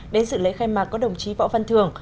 đến sự lễ khai mạc có đồng chí võ văn thường